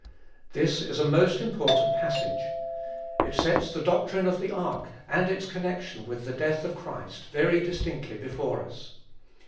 This is a most important passage. It sets the doctrine of the ark and its connection with the death of Christ very distinctly before us.